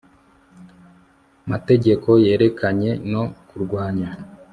mategeko yerekeranye no kurwanya